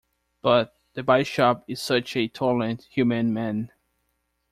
But — the Bishop is such a tolerant, humane man.